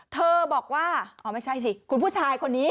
เธอบอกว่าอ๋อไม่ใช่สิคุณผู้ชายคนนี้